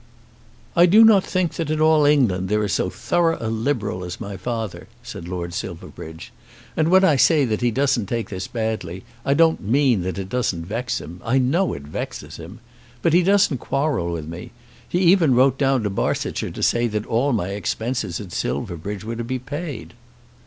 "I do not think that in all England there is so thorough a Liberal as my father," said Lord Silverbridge. "And when I say that he doesn't take this badly, I don't mean that it doesn't vex him. I know it vexes him. But he doesn't quarrel with me. He even wrote down to Barsetshire to say that all my expenses at Silverbridge were to be paid."